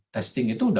testing itu udah